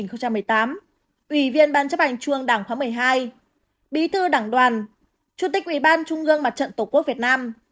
ủy viên ban chấp hành trung đảng khóa một mươi hai bí thư đảng đoàn chủ tịch ủy ban trung ương mặt trận tổ quốc việt nam